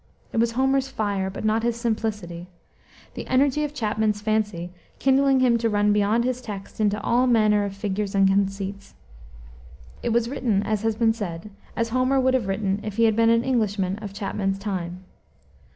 It has Homer's fire, but not his simplicity; the energy of Chapman's fancy kindling him to run beyond his text into all manner of figures and conceits. It was written, as has been said, as Homer would have written if he had been an Englishman of Chapman's time.